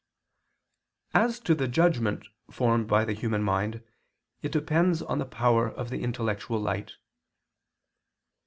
As to the judgment formed by the human mind, it depends on the power of the intellectual light.